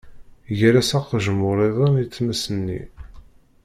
Ger-as aqejmur-iḍen i tmes-nni.